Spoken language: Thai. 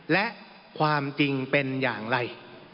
และความจริงเป็นอย่างไร